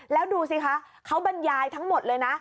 แล้วดูสิคะเขาบรรยายทั้งหมดเลยนะ